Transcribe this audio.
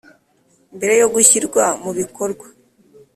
mbere yo gushyirwa mu bikorwa